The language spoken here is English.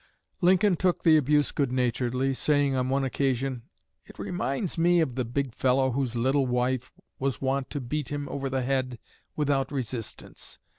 Lincoln took the abuse good naturedly, saying on one occasion: "It reminds me of the big fellow whose little wife was wont to beat him over the head without resistance.